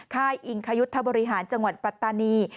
ค่ายอิงคยุทธบริหารจังหวัดปัตตานี